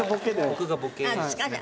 僕がボケですね。